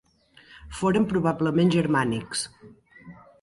Foren probablement germànics.